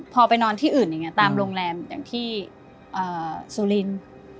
พอไปนอนที่อื่นอย่างนี้ตามโรงแรมอย่างที่สุรินทร์